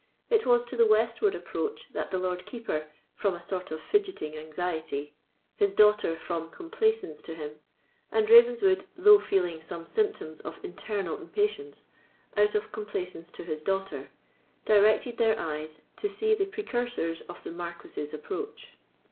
It was to the westward approach that the Lord Keeper, from a sort of fidgeting anxiety, his daughter, from complaisance to him, and Ravenswood, though feeling some symptoms of internal impatience, out of complaisance to his daughter, directed their eyes to see the precursors of the Marquis's approach.